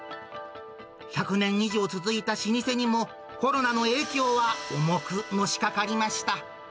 １００年以上続いた老舗にもコロナの影響は重くのしかかりました。